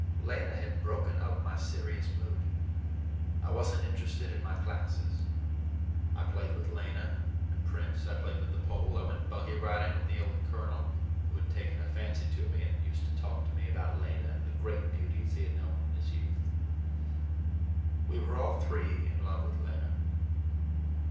Lena had broken up my serious mood. I was n't interested in my classes. I played with Lena and Prince, I played with the Pole, I went buggy riding with the old Colonel, who had taken a fancy to me and used to talk to me about Lena and the "great beauties" he had known in his youth. We were all three in love with Lena.